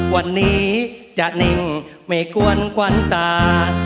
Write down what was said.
วันนี้จะนิ่งไม่กวนควันตา